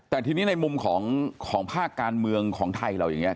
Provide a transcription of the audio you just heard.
แต่ทีนี้ในมุมของภาคการเมืองของไทยเราอย่างนี้